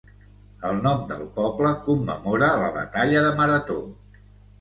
El nom del poble commemora la batalla de Marató.